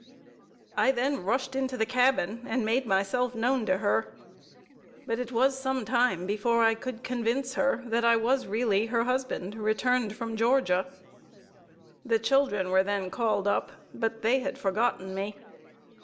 I then rushed into the cabin and made myself known to her, but it was some time before I could convince her, that I was really her husband, returned from Georgia. The children were then called up, but they had forgotten me.